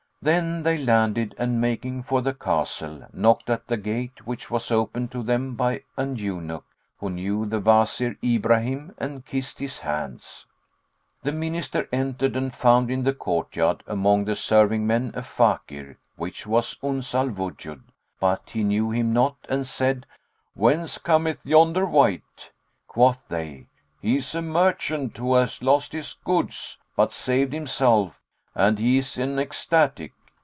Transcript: Then they landed and, making for the castle, knocked at the gate which was opened to them by an eunuch, who knew the Wazir Ibrahim and kissed his hands. The Minister entered and found in the courtyard, among the serving men, a Fakir, which was Uns al Wujud, but he knew him not and said, "Whence cometh yonder wight?" Quoth they, "He is a merchant, who hath lost his goods, but saved himself; and he is an ecstatic."